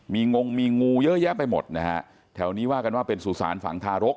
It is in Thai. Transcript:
มีงงมีงูเยอะแยะไปหมดนะฮะแถวนี้ว่ากันว่าเป็นสุสานฝังทารก